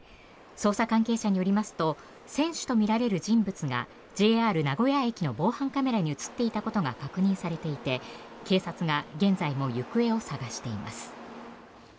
捜査関係者によりますと選手とみられる人物がＪＲ名古屋駅の防犯カメラに映っていたことが確認されていて、警察が現在も行方を捜しています。